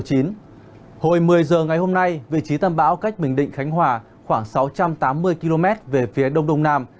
hồi một mươi giờ ngày hôm nay vị trí tâm bão cách bình định khánh hòa khoảng sáu trăm tám mươi km về phía đông đông nam